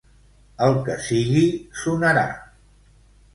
El que sigui sonarà.